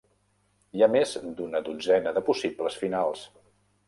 Hi ha més d'una dotzena de possibles finals.